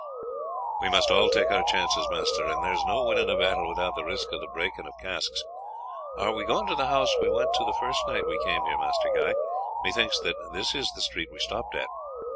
"We must all take our chances, master, and there is no winning a battle without the risk of the breaking of casques. Are we going to the house we went to the first night we came here, Master Guy? Methinks that this is the street we stopped at."